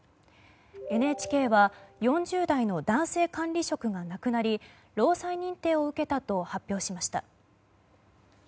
ＮＨＫは４０代の男性管理職が亡くなり労災認定を受けたと発表しました。